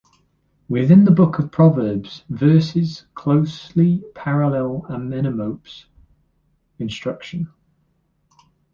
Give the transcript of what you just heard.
Within the Book of Proverbs, verses closely parallel Amenemope's Instruction.